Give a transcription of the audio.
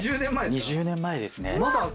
２０年前ですか。